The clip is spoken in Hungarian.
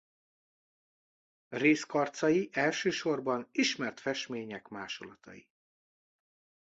Rézkarcai elsősorban ismert festmények másolatai.